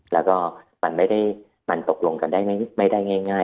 แล้วก็มันตกลงกันได้ไม่ได้ง่าย